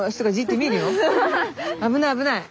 危ない危ない。